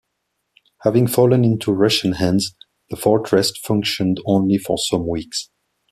Having fallen into Russian hands, the fortress functioned only for some weeks.